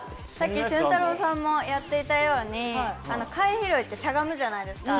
しゅんたろうさんもやっていたように貝拾いってしゃがむじゃないですか。